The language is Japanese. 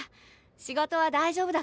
仕事は大丈夫だから。